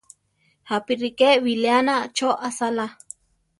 Jápi ríke biléana cho asála.